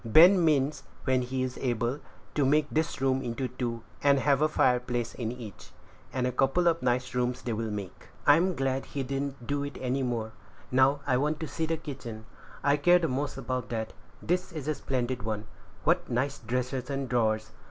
Ben means, when he is able, to make this room into two, and have a fireplace in each; and a couple of nice rooms they will make." "I am glad he didn't do any more. Now, I want to see the kitchen; I care the most about that. This is a splendid one; what nice dressers and drawers!